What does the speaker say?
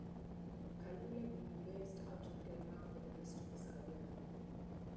Kalule would be based out of Denmark for the rest of his career.